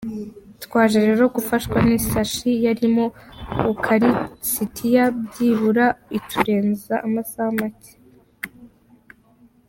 Twaje rero gufashwa n’isashi yarimo Ukarisitiya, byibura iturenza amasaha make.